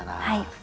はい。